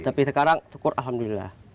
tapi sekarang syukur alhamdulillah